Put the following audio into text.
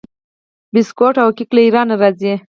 بسکیټ او کیک له ایران راځي.